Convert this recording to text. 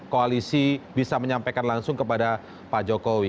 koalisi bisa menyampaikan langsung kepada pak jokowi